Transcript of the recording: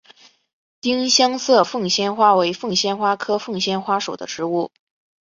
丁香色凤仙花为凤仙花科凤仙花属的植物。